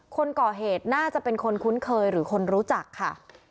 คนก่อเหตุน่าจะเป็นคนคุ้นเคยหรือคนรู้จักค่ะ